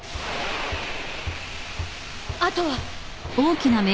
あとは。